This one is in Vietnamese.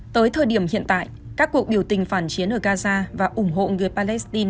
tới thời điểm hiện tại các cuộc biểu tình phản chiến ở gaza và ủng hộ người palestine